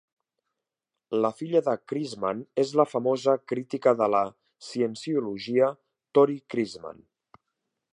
La filla de Christman és la famosa crítica de la cienciologia Tory Christman.